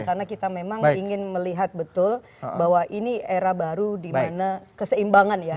karena kita memang ingin melihat betul bahwa ini era baru di mana keseimbangan ya